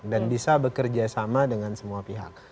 dan bisa bekerja sama dengan semua pihak